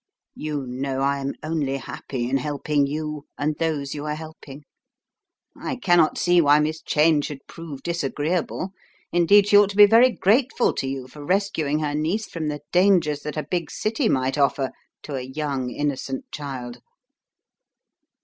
"You know I am only happy in helping you, and those you are helping. I cannot see why Miss Cheyne should prove disagreeable, indeed she ought to be very grateful to you for res cuing her niece from the dangers that a big city might offer to a young, innocent child."